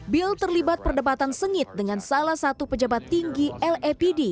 bill terlibat perdebatan sengit dengan salah satu pejabat tinggi lapd